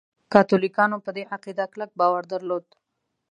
کاتولیکانو په دې عقیده کلک باور درلود.